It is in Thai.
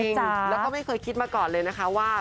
จริงแล้วก็ไม่เคยคิดมาก่อนเลยนะคะว่า